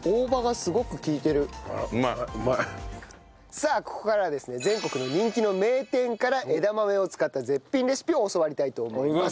さあここからはですね全国の人気の名店から枝豆を使った絶品レシピを教わりたいと思います。